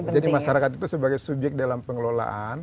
jadi masyarakat itu sebagai subyek dalam pengelolaan